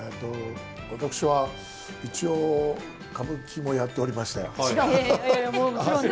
私は一応歌舞伎もやっておりまして。